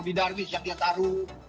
kemudian ada robby darwish yang dia taruh